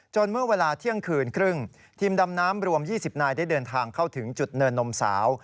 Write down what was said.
เมื่อเวลาเที่ยงคืนครึ่งทีมดำน้ำรวม๒๐นายได้เดินทางเข้าถึงจุดเนินนมสาว